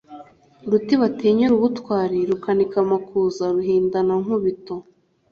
Ruti batinyira ubutwali rukanika amakuza, ruhindanankubito,